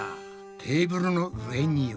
テーブルの上には。